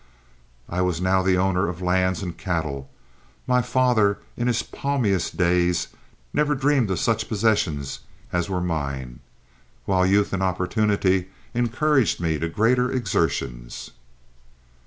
I was now the owner of lands and cattle; my father in his palmiest days never dreamed of such possessions as were mine, while youth and opportunity encouraged me to greater exertions.